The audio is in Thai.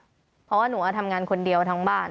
เพราะว่าหนูทำงานคนเดียวทั้งบ้าน